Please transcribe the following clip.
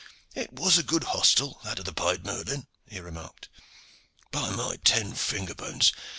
"It was a good hostel, that of the 'Pied Merlin,'" he remarked. "By my ten finger bones!